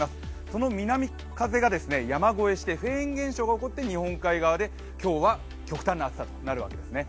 その南風が山越えしてフェーン現象が起こって日本海側で今日は極端な暑さとなるわけですね。